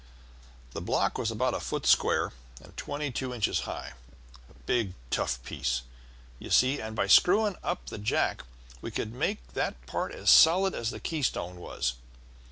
The block was about a foot square and twenty two inches high, a big tough piece, you see, and by screwing up the jack we could make that part as solid as the keystone was.